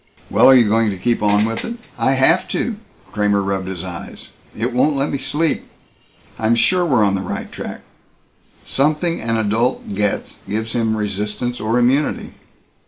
"Well are you going to keep on with it?" "I have to." Kramer rubbed his eyes. "It won't let me sleep. I'm sure we're on the right track. Something an adult gets gives him resistance or immunity."